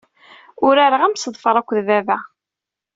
Urareɣ amseḍfar akked baba.